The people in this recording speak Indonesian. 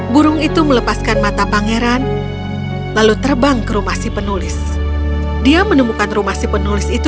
burung itu melepaskan mata pangeran lalu terbang ke rumah si penulis dia menemukan rumah si penulis itu